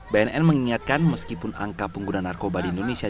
bnn mengingatkan meskipun angka pengguna narkoba di indonesia